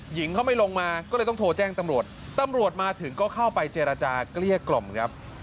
หญิงเขาไม่ลงมาก็เลยต้องโทรแจ้งตำรวจตำรวจมาถึงก็เข้าไปเจรจาเกลี้ยกล่อมครับ